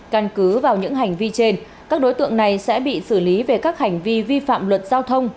căn cứ vào những hành vi trên các đối tượng này sẽ bị xử lý về các hành vi vi phạm luật giao thông